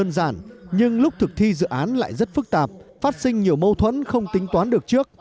đơn giản nhưng lúc thực thi dự án lại rất phức tạp phát sinh nhiều mâu thuẫn không tính toán được trước